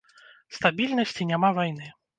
Стабільнасць і няма вайны.